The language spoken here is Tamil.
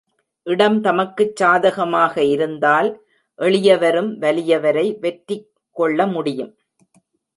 இடம் தமக்குச் சாதகமாக இருந்தால் எளியவரும் வலியவரை வெற்றிகொள்ள முடியும்.